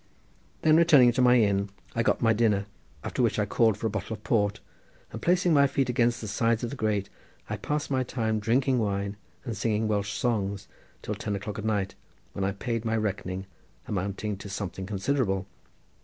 Then returning to my inn I got my dinner, after which I called for a bottle of port, and placing my feet against the sides of the grate I passed my time drinking wine and singing Welsh songs till ten o'clock at night, when I paid my reckoning, amounting to something considerable.